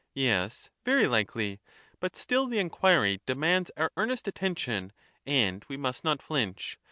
Ves, very likely. But still the enquiry demands our earnest attention and we must not flinch.